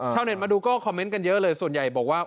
มาดูก็คอมเมนต์กันเยอะเลยส่วนใหญ่บอกว่า